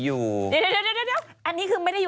ปล่อยให้เบลล่าว่าง